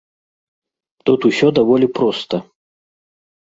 Тут усё даволі проста.